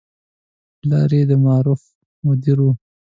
پلار یې د معارفو مدیر و.